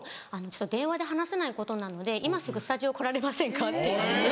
「電話で話せないことなので今すぐスタジオ来られませんか？」って言われて。